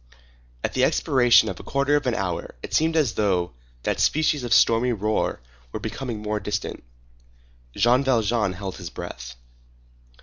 At the expiration of a quarter of an hour it seemed as though that species of stormy roar were becoming more distant. Jean Valjean held his breath.